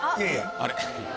あれ？